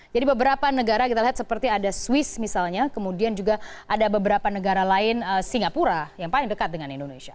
jadi beberapa negara kita lihat seperti ada swiss misalnya kemudian juga ada beberapa negara lain singapura yang paling dekat dengan indonesia